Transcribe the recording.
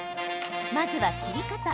まずは、切り方。